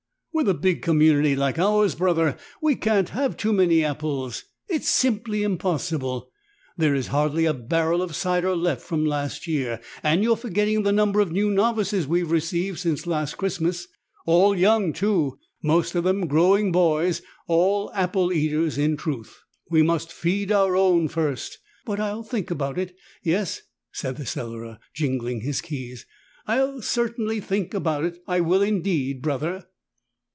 ''With a big community like ours, Brother, we can't have too many apples. It's simply impossible. There is hardly a barrel of cider left from last year. And you're forgetting the number of new novices we have received since last Christ mas — all young, too — most of them growing boys — all apple eaters, in truth. We must feed our own first. But I'll think about it. Yes," said the Cellarer jingling his keys, "I'll certainly think about it, I will indeed. Brother."